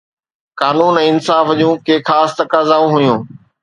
قانون ۽ انصاف جون ڪي خاص تقاضائون هيون.